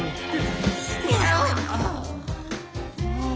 ああ！